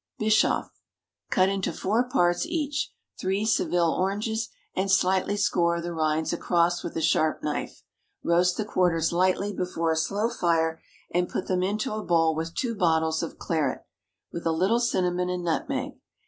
Bischoff. Cut into four parts each, three Seville oranges, and slightly score the rinds across with a sharp knife. Roast the quarters lightly before a slow fire, and put them into a bowl with two bottles of claret, with a little cinnamon and nutmeg.